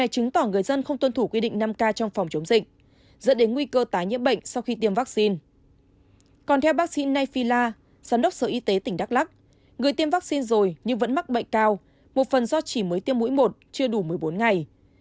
còn theo bác sĩ nay phila giám đốc sở y tế tỉnh đắk lắc người tiêm vaccine rồi nhưng vẫn mắc bệnh cao một phần do chỉ mới tiêm mũi một chưa đủ một mươi bốn ngày